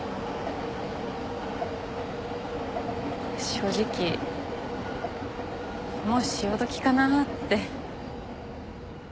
正直もう潮時かなって。